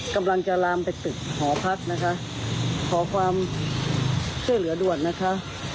กำลังจะลามไปตึกหอพักนะคะขอความช่วยเหลือด่วนนะคะ